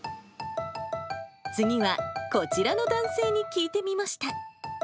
次は、こちらの男性に聞いてみました。